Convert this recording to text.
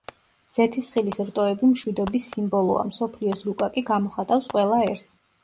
ზეთისხილის რტოები მშვიდობის სიმბოლოა, მსოფლიოს რუკა კი გამოხატავს ყველა ერს.